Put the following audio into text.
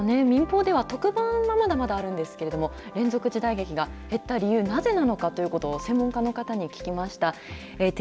民放では、特番がまだまだあるんですけれども、連続時代劇が減った理由、なぜなのかということを、専門家の方に聞きました。